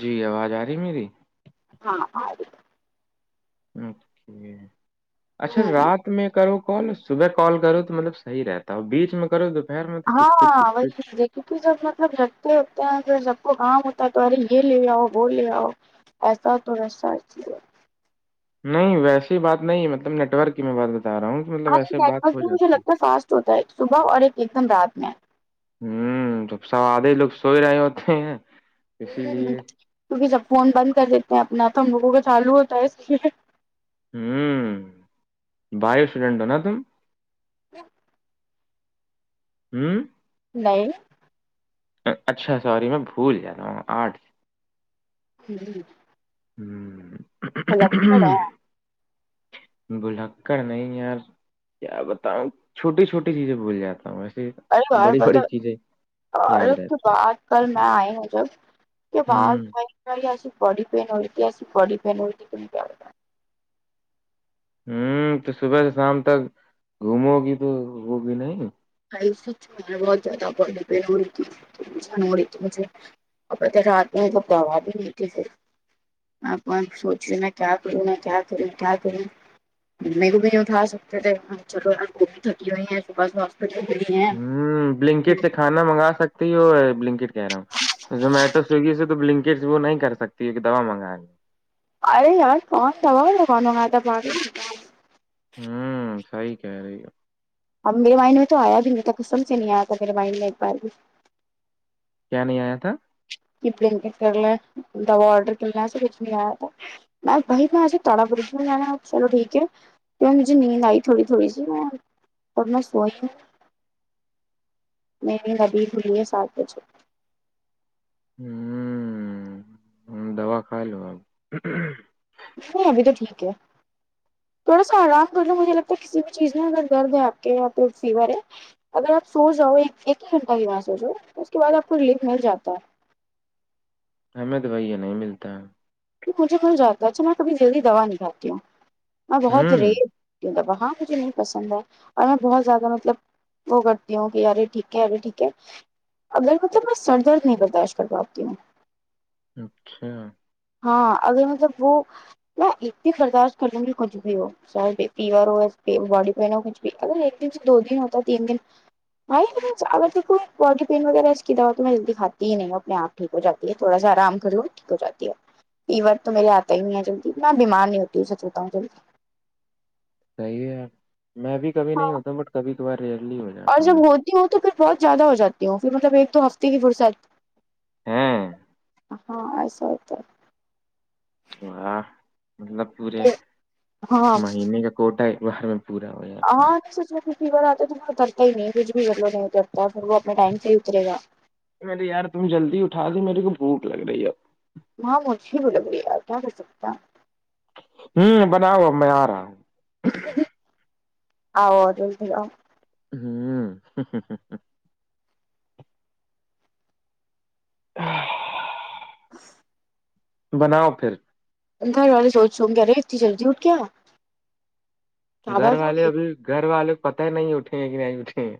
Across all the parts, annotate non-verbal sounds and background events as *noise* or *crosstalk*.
جی آواز آ رہی میری ہاں آ رہی اچھا ہاں رات میں کرو کال صبح کال کرو تو مطلب صحیح رہتا ہو بیچ میں کرو تو فر مت تو کچ کچھ وہی پچچ چیز ہے کیونکہ جب مطلب جگتے ہوگتے ہیں پھر سب کو کام ہوتا ہے تو ارے یہ لے آؤ وہ لے آؤ ایسا تو رہسہ چے نہیں ویسی بات نہیں مطلب نیٹ ورک کی میں بات بتا رہا ہوں کہ مطلب آج ایسے بات نیٹورک ہو بھی مجھے جاتی لگتا ہے فاسٹ ہوتا ہے صبح اور ایک ایک دم رات میں ہوں تو س آدے لوگ سوئ رہے ہوتے ہیں اسی ہ لیے کیونکہ جب فون بند کر دیتے ہیں اپنے آپ تو ہم لوگوں کا چالو ہوتا ہے اس لیے ہوں بائیو اسٹوڈنٹ ہو نا تم *inaudible* ہوں نہیں اچھا سوری میں بھول جاتا ہوں آٹھ سے جی جی ہ ہے *unintelligible* بلکر نہیں یار کیا بتاؤں چوٹی چھوٹی چیزیں بول جاتا ہوں وس ارے یاد ارے اس کے رہتی بعد کل ہیں میں آئی ہوں جب باہ ہوں ا باڈی پین ہوئی ت ا باڈی پین ہوئی ت ت کیا ہوں تو صبح سے شام تک گھومو گی تو ہوگی نہیں ہ بہت زیادہ بڑ پ ہو رہی تھیشان ہو رہی تھی مجھے *unintelligible* ا رات میں سبا بھی مٹھی سے آپاں سوچ رہے میں کیا کروں میں کیا کروں کیا کروں ممی کو بھی نہیں اٹھا سکتے تھے چلو ار گو تھکی ہوئی ہے صبح صبح بچت بڑھ ہیں *unintelligible* ہوں بلنکٹ سے کھانا منگا سکتی ہو بلنکٹ کہہ رہا ہوں زومیٹو سویگی سے تو بلنکیج وہ نہیں کر سکتی کیون کہ دوا منگائیں گے ارے یار س سا دکانوں میں تھا با ہوں سحی کہہ رہی اب میرے بائن میں تو آیا بھی نہیں تھا قسم سے نہیں آیا تھا میرے بائن میں ایک بار بھی کیا نہیں آیا تھا ابڑ کرر ل واڈرک سےچ میں بھائی میںج تڑا بج لا چلو ٹھیک ہے مجھے نیند آئی تھوڑی تھوڑی سی میں سوی تھی نہیں ابھی ہوھلی ہے سات بجے ہوں دوا کھائے لو آپ ہاں ابھی تو ٹھیک ہے تھوڑا سا آرام ر لو مجھے لگتا ہے کسی بھی چیز میں اگر درد ہے آپ کے یہاں پہ فیور ہے اگر آپ سو جاؤ ایک ایک ہی گھنٹہ کی م سوچو اس کے بعد آپ کو ریلیف مل جاتا ہے ہمیں تو بھیا نہیں ملتا ہے مجھے کل جاتا اچھا میں کبھی جلدی دوا نہیں کاتی ہوں میں بہت ہوں ریز کی وہاں مجھے نہیں پسند ہے اور میں بہت زیادہ مطلب وہ کرتی ہوں کہ ارے ٹھیک ہے ارے ٹھیک ہے اگر مطلب میں سر درد نہیں برداشت کر پااتی ہوں اچھا ہاں اگر مطلب وہ ن اتنی برداشت کر لوں گی کچھ بھی ہو چاہے فیور ہو باڈی پین ہو کچھ بھی اگر ایک دن سے دو دن ہوتا تین دن بھائی اگر دیکھ باڈی پین وغیرہ اس کی دوا تو میں جلدی کاتی ہی نہیں اپنے آپ ٹھیک ہو جاتی ہے تھوڑا س آرام کر ٹھیک ہو جی ہے فیور تو میرے آتا ہی نہیں ہے جلدی میں بیمار نہیں ہوتی اسےو ہوتا ہوں جلدی صحی ہے یار میں بھی کبھی ہاں نہیں ہوتا ہ بٹ کبھی ک بار ریئللی ہو اور جاتا ہوں جب ہوتی ہ تو پھر بہت زیادہ ہو جاتی ہوں پھر مطلب ایک تو ہفتے کی فرصت ہاں ہاں ایسا ہوتا واہ مطلب پورے ہے ہاں مہینے کا کوٹا ایک بر میں پورا ہو ج ہاں سوچا فیور آتا ہے تو مھ ارتا ہی نہیں کھ بھی ل نہیں اترتا پھر وہ اپنے ٹائم سے ہی اتر گا مے یار تم جلدی اٹا دی میرے کو بھوک لگ رہی ہے اور ہاں مجھے ب لگی ہے کیا کر سکتا ہوں بناؤ میں آ رہا ہوں او ہوں *inaudible* بناؤ پھر گھر والے سوچ سو گے اے انی جلدی اٹھ کےیا گھر والے ابھی گھر والوں کو پتہ ہی نہیں اٹھیں گے کہ نہیں اٹھیں گے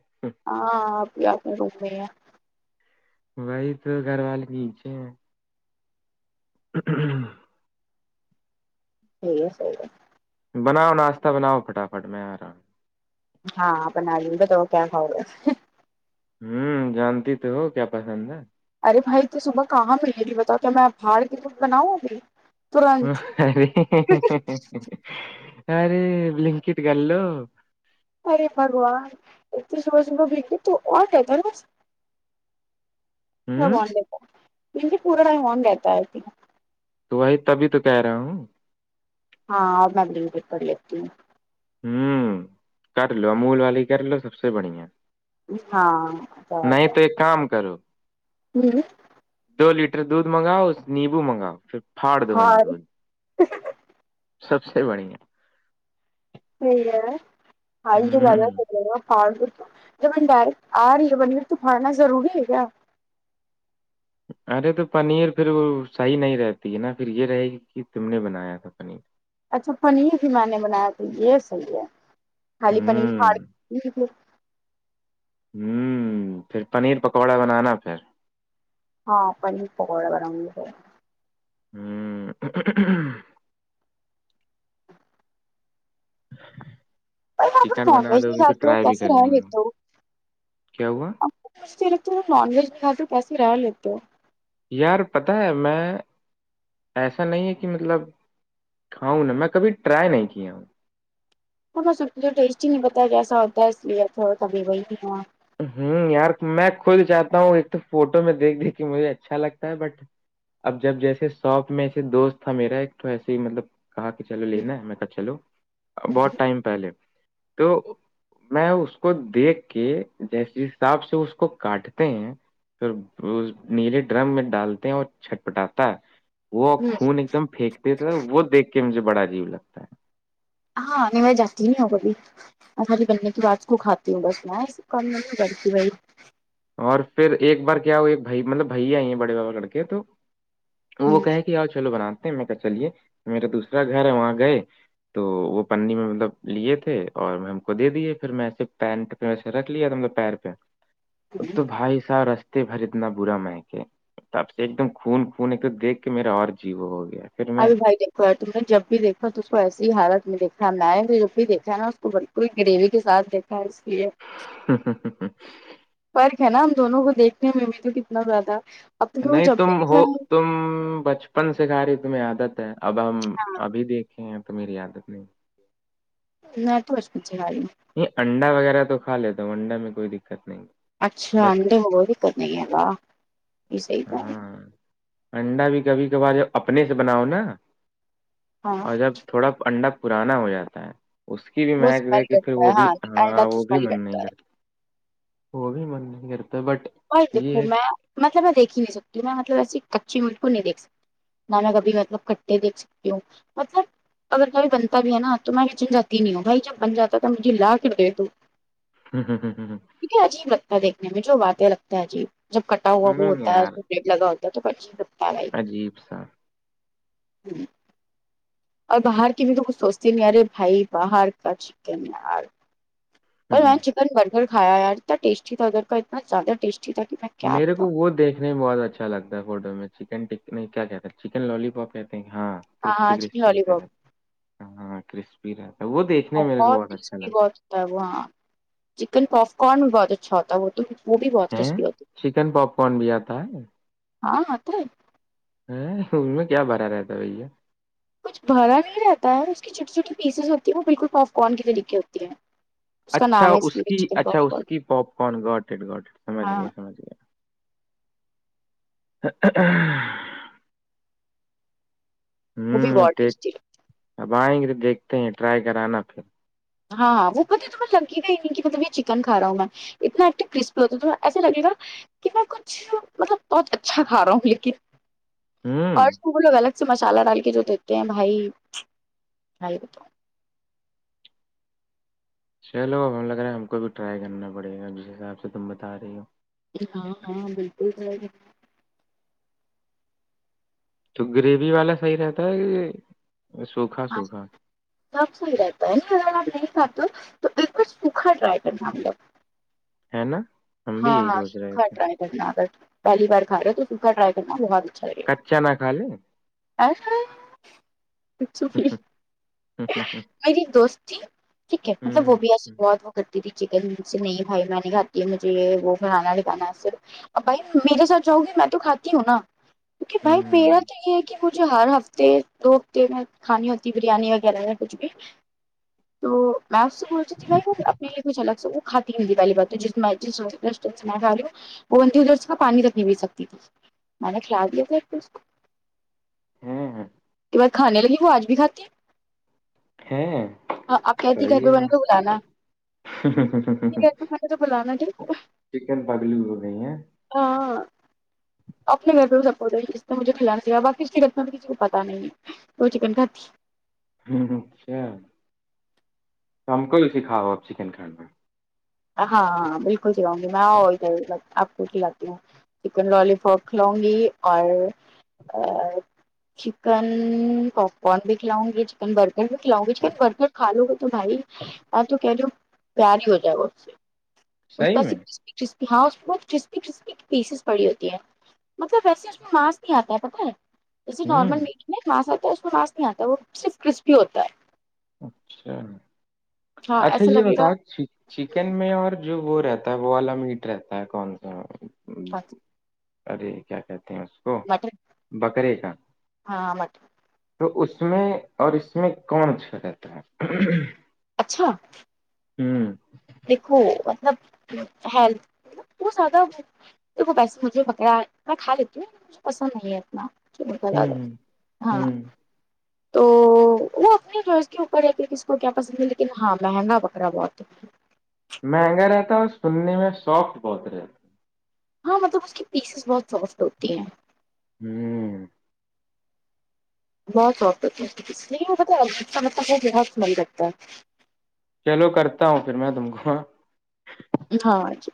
ہاں آپ بھی آپ میں بول رہے ہیں وہی تو گھر والے کی اچھے ہیں ہ حھ ہے صحیح ہے بناؤ ناشتہ بناؤ فٹافٹ میں آ رہا ہوں ہاں اپ آج گ تو کیا خاؤ گی ہوں جانتی تو ہو کیا پسند ہے ارے بھائی تو صبح کہاں پ جی بتاؤ تو میں بہاڑ کیکٹ بناؤں ابھی ترنت ارے ارے لنکٹ کر لو ارے بگوان اتیس وز میں بیک تو آٹ ہے دس س دیتا م پورا ٹائم ہون رہتا ہے تو وہی تبھی تو کہہ رہا ہوں ہاں اور میں اپ پیپر لیتی ہوں ہوں کر لو امول والی کر لو سب سے بڑی ہے ہاں نہیں تو ایک کام کرو جی دو لیٹر دودھ منگاؤ نیمبو منگاؤ پھر ہاں سب سے بڑی ہے س ہے آ ل چا پ جبن ڈائریکٹ آ رہی ہے بندر تو کھڑنا روری ہے کیا ارے تو پنیر پھر وہ صحیح نہیں رہتی ہے نا پھر یہ رہے گی کہ تم نے بنایا تھا پنیر اچھا پنیر ہی میں نے بنایا تو یہ صحیح ہے خالی پنیر پا ہوں پھر پنیر پکوڑا بنانا پھر ہاں پنیر پکوڑا با *inaudible* بھائی آپ لوگ چکن نان بنا ویج دو بھی گی تو کھاتے ہو ٹرائی بھی کیسے کر رہ لیں گے لیتے ہو کیا ہوا *inaudible* یار پتا ہے میں ایسا نہیں ہے کہ مطلب کھاؤں نا میں کبھی ٹرائی نہیں کیا ہوں تو سب تو ٹیسٹ ہی نہیں پتا جیسا ہوتا ہے اس لیے تھا کبھی وہیا ہوں یار میں خود چاہتا ہوں ایک تو فوٹو میں دیکھ دیکھ کے مجھے اچھا لگتا ہے بٹ اب جب جیسے شوپ میں ایسے دوست تھا میرا ایک تو ایسے ہی مطلب کہا کہ چلو لینا ہے میں کہ چلو بہت ٹائم پہلے تو میں اس کو دیکھ کے جیس حساب سے اس کو کاٹتے ہیں پھر نیلے ڈرم میں ڈالتے ہیں اور چھٹ پٹاتا ہے وہ ہمم خون ایک دم پھینکتے تھاے وہ دیکھ کے مجھے بڑا عجیب لگتا ہے ہاں نو جاتین ہوگبی *inaudible* اور پھر ایک بار کیا ہوا بھائی مطلب بھائی آئی ہیں بڑے بابا کر کے تو وہ کہ ہوں کہ آؤ چلو بناتے میں کہ چلیے میرا دوسرا گھر ہے وہاں گئے تو وہ پنی میں مطلب لیے تھے اور میں ہم کو دے دیے پھر میں ایسے پینٹ رکھ لیا تھا نے پیر پہ تو بھائی سار بھر اتنا برا کہ تب سے ایک دم خون خون ایک تو دیکھ کے میرا اور جیو ہو گیا پھر میں ابھی بھائی دیکھوار تم نے جب بھی دیکھا تو اس کو ایسی ہی حالت میں دیکھا نہ جب بھی دیکھا ہے نا اس کو کوئی گریوی کے ساتھ دیکھا ہے اس لیے ہا ہا ہا ہا فرق ہے نا ہم دونوں کو دیکھنے میں بھی تو کتنا زیادہ اب تو وہ نہیں جب تم بھی دکھ ہو ہے تم بچپن سے کھا رہی تمہیں عادت ہے اب ہم نا، ابھی دیکھ تو میری عادت نہیں میں تو بچپن سے کھا رہی ہوں نہیں انڈا وغیرہ تو کھا لیتا ہوں انڈا میں کوئی دقت نہیں اچھا بٹ انے ہو بھی کرت نہیںا یہ صحیح ہے ہاں انڈا بھی کبھی کبھار اپنے سے بناؤ نا ہاں اور جب تھوڑا انڈا پرانا ہو جاتا ہے اس کی بھی وہ مہک اسمیل دیک کے پھر کرتا ہے وہ بھی انڈا ہاں تو وہ بھی اسمیل من نہیں کرتا وہ بھی من نہیں کرتا بٹ بائی دیکھو یہ ہے میں مطلب میں دیکھی ہی نہیں ستی میں مطلب ایسی کچی ملک نہیں دھ سکتی نا میں کبھی مطلب کٹھے دھ سکتی ہوں مطلب اگر کبھی بنتا بھی ہے نا تو میں بھی چن جاتی نہیں ہوں بھائی جب بن جا تو مجھے لا کر دے دو جی جی مے عجیب لگتا ہے دیکھنے میں جو باتیں لگتا ہے عجیب جب کٹا ہوا وہ ہ ہوتا ہے یار ریٹ لگا ہوتا تو لگتا ہے بھائی عجیب سا *inaudible* اور باہر کی بھی تو کچھ سوچتے نہیں یارے بھائی باہر کا چکن یار اور ہ میں چکن برگر کھایا یار اتنا ٹیسٹی تھا ادھر کا اتنا زیادہ ٹیسٹی تھا کہ میں کیا میرے کو بتاؤں وہ دیکھ دیکنے میں بہت اچھا لگتا ہے فوٹو میں چکن ٹک کیا کہتا ہے چکن لالی پاپ کہتے ہیں ہاں ہاں ہاں چکن لوالی پاپ ہاں ہاں کرسپی رہتا ہے وہ دیکھ بہت کرسپ بہت ہوتا ہے وہ ہاں چکن پاپ کارن بھی بہت اچھا ہوتا ہے وہ تو وہ بھی بہت ہے کرسپی ہوتی چکن پاپ کارن بھی آتا ہے ہاں آ تو ہے ہ ان میں کیا بھھرا رہتا ہے بھیا کچھ بھرا نہیں رہتا ہے اس کی چھوٹی چھوٹی پیسز ہوتی ہے وہ بالکل پاپ کارن کی طریقے ہوتی ہے اس کا اچھا نام اس لیے کی چکن اچھا پاپ اس کارن کی پاپ کارن گاٹڈ گاٹڈ سمجھ ہاں گیا سمجھ گیا وہ بھی ہوں بہت یک ٹیسٹی اب آئیں گے تو دیکھتے ہیں ٹرائی کرانا پھر ہاں ہاں وہ پہ تو میں لگ گ ہی نہیں کہ مطلب یہ چکن کھ رہا ہوں میں اتنا ایک کرسپی ہوتا ت ایسا لگ گا کہ میں کچھ مطلب بہت اچھا کھا رہا ہوں لیکن اور ہوں وہ لوگ الگ سے مسالہ ڈال کے جو دیتے ہیں بھائی بھائی ب چلو ہم لگ رہے ہے ہم کو بھی ٹرائی کرنا پڑے گا جس حساب سے تم بتا رہی ہو ہاں ہاں بالکل س تو گریوی والا صحیح رہتا ہے کہ سوکھا سوکھا س رہتا ہے اگر آپ نہیں خات تو ایک سا ڈرائٹر س لو ہے نا ہم بھی ہاں یہی ہاں سوچ رہے سوکھا تھے ٹرائی کرنا اگر پہلی بار کھا رہا تو سوکھا ٹرائی کرنا بہت اچا کچا نہ خا لیں مری دوستی ٹھیک ہے مطلب وہ بھی ایسسی بہت وہ کرتی تھی چکن سے نہیں بھائی میں نے کاتی ہے مے ج وہ کھانا نہیںکانا صرف بھائی میرے ساتھ چاہوں گی میں تو کھاتی ہوں نا کیونکہ بھائی میرا تو یہ ہے کہ مجھے ہر ہفتے دو ہفتے میں کھانی ہوتی بریانی وغیرہ کچھ بھی *inaudible* تو میںپ سے پوچتی کہ اپنے لیے کچھ الگ سے وہ کھاتی ہندی والی باتوں جس میں ل وہ پانی رکھنی پل سکتی تھی منک لگے س پ ہوں ہوں ب کھانے لگے وہ آج بھی کاتی ہیں ہے ہے ہاں اب کہتی گھر پہ صحیح بنے ہے تو بلانا ٹھیک ہے ت مے تو بلاانا ج چکن پگلی ہو گئی ہے ہاں اپنے گھر پہ وہ سپٹ نے مجھے کھلانا چاہیا باقیت میں کسی کو پتہ نہیں ہے وہ چکن کا تھی ہ اچھا تو ہم کوئی سکھاؤ آ چکن کھان میں ہاں ہاں بالکل سلاؤں گی میں آؤ ادھر آپ کو کلاتی ہوں چکن لوی پاپ کھلؤں گی اور چکن پاپ کن بھی کھلاؤں گی چکن برگر بھی کھلاؤں گی چکن برگر خا لو گ تو بھائی آ تو کہ ل پیاری ہو جائےؤ اس صحیح میں پاسپ کرسپی ہاں بہت کرسپی کرسپی کی پیسز پڑی ہوتی ہے مطلب ویسے اس میں ماس نہیں آتا ہے پتہ ہے جیسے ہوں نارمل میٹ میں ماس آتا ہے اس کو ماس نہیں آتا وہ صرف کرسپی ہوتا ہے اچھا ہاں اچھا ایسا یہ لگے بتا گا ھیک چکن میں اور جو وہ رہتا ہے وہ والا میٹ رہتا ہے کون سا اچھا ارے کیا کہتے ہیں اس کو مٹن بکرے کا ہاں مٹن تو اس میں اور اس میں کون چھا رہتا ہے اچھا ہوں دیکھو مطلب لھ وہ زیادہ دیکھو ویسے مجھے بکیرہ میں کھ لیتی ہوں مجھے پسند نہیں ہے اتنا چک ہوں ہ ہاں ہوں *inaudible* تو وہ اپنے جو اس کے اوپر ہے کہ کس کو کیا پسند ہے لیکن ہاں مہنگا بکرا بہت ہے مہنگا رہتا اور سننے میں سافٹ بہت رہتا ہاں مطلب اس کی پیسز بہت سافٹ ہوتی ہیں ہوں بہت سوقے کا مطلب بہت سمل لگتا ہے چلو کرتا ہوں پھر میں تم کو ہاں ہے ہاں جی